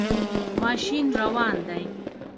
ماشین روان دی